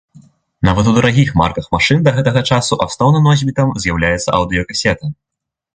Нават у дарагіх марках машын да гэтага часу асноўным носьбітам з'яўляецца аўдыёкасета.